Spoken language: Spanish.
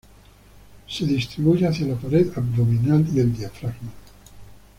Se distribuye hacia la "pared abdominal" y el diafragma.